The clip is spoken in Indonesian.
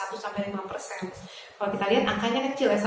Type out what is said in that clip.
kalau kita lihat angkanya kecil ya